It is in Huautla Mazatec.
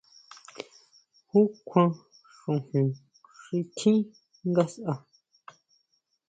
¿Ju kjuan xojon xi tjín ngasʼa?